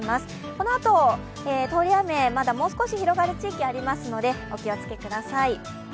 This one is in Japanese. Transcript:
このあと通り雨、まだもう少し広がる地域がありますのでお気をつけください。